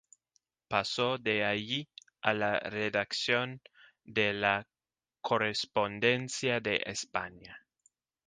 Pasó de allí a la redacción de "La Correspondencia de España".